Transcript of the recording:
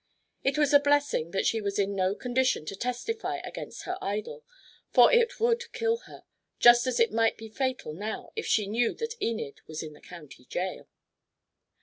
It was a blessing that she was in no condition to testify against her idol, for it would kill her, just as it might be fatal now if she knew that Enid was in the County Jail.